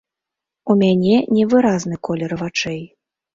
У мяне невыразны колер вачэй.